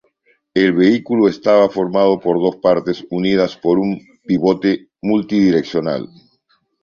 El vehículo estaba formado por dos partes, unidas por un pivote multi-direccional.